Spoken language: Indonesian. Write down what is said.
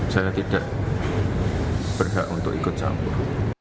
saya tidak berhak untuk ikut campur